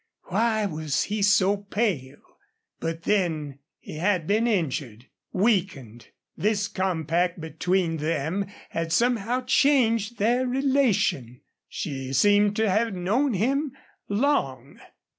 Why was he so pale? But then he had been injured weakened. This compact between them had somehow changed their relation. She seemed to have known him long.